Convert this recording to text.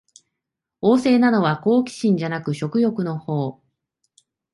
旺盛なのは好奇心じゃなく食欲のほう